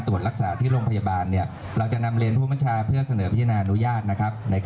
ถ้าการสอบส่วนแล้วเสร็จนะครับเราก็จะแถลงสารดำคุ้มจริง